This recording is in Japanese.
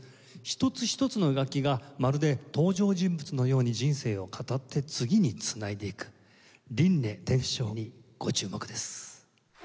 一つ一つの楽器がまるで登場人物のように人生を語って次に繋いでいく輪廻転生にご注目です。